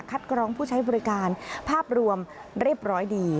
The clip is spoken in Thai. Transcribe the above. กรองผู้ใช้บริการภาพรวมเรียบร้อยดี